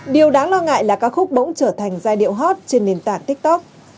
điều đáng lo ngại là ca khúc bỗng trở thành giai điệu hot trên nền tảng tiktok